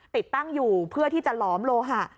ติดตั้งอยู่เพื่อที่จะหลอมโลหะ